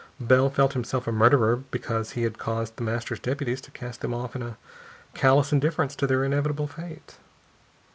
Bell felt himself a murderer because he had caused The Master's deputies to cast them off in a callous indifference to their inevitable fate.